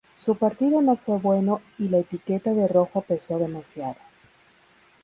Su partido no fue bueno, y la etiqueta de ""rojo"" pesó demasiado.